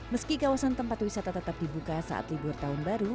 meski kawasan tempat wisata tetap dibuka saat libur tahun baru